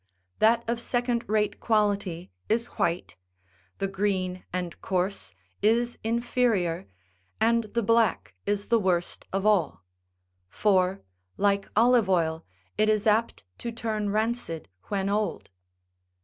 That of second rate quality is white ; the green and coarse is inferior, and the black is the worst of all ; for, like olive oil, it is apt to turn rancid when old.